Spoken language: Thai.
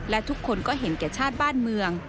และทุกคนก็เห็นแก่ชาติบ้านเมือง